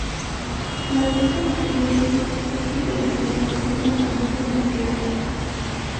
La cuenca incluye los aportes de la zona próxima al monte McKinley.